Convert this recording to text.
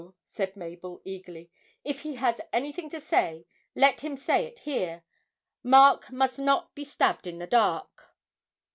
said Mabel, eagerly, 'if he has anything to say, let him say it here Mark must not be stabbed in the dark!'